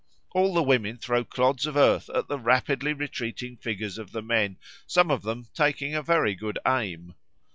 All the women throw clods of earth at the rapidly retreating figures of the men, some of them taking very good aim.